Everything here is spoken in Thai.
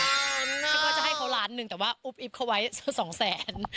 คิดว่าจะให้เขาล้านหนึ่งแต่ว่าอุ๊บอิ๊บเขาไว้สองแสน